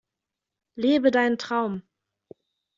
Lebe deinen Traum!